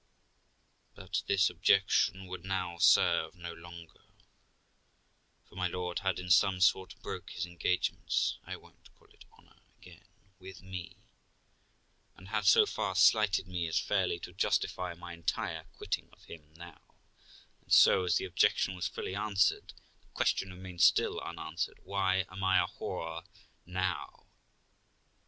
But this objection would now serve no longer, for my lord had in some sort broke his engagements (I won't call it honour again) with me, and had so far slighted me as fairly to justify my entire quitting of him now; and so, as the objection was fully answered, the question remained still unanswered, Why am I a whore now?